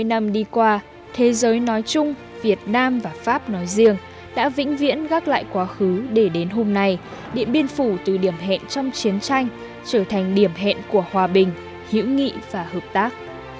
bảy mươi năm đi qua thế giới nói chung việt nam và pháp nói riêng đã vĩnh viễn gác lại quá khứ để đến hôm nay điện biên phủ từ điểm hẹn trong chiến tranh trở thành điểm hẹn của hòa bình hữu nghị và hợp tác